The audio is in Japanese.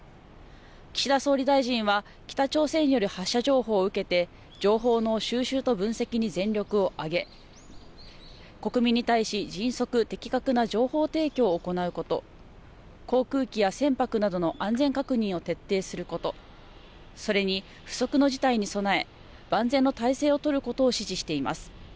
岸田総理大臣は北朝鮮による発射情報を受けて情報の収集と分析に全力を挙げ、国民に対し迅速、的確な情報提供を行うこと、航空機や船舶などの安全確認を徹底すること、それに不測の事態に備え万全の態勢を取ることを指示しています。